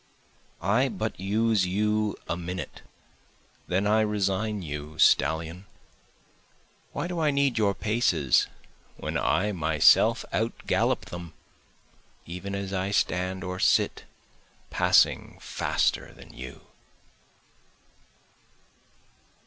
I but use you a minute, then I resign you, stallion, Why do I need your paces when I myself out gallop them? Even as I stand or sit passing faster than you.